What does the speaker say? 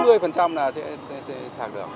chín mươi là sẽ sạc được